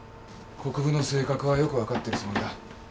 国府の性格はよく分かってるつもりだ。